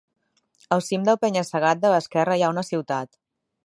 Al cim del penya-segat de l'esquerra hi ha una ciutat.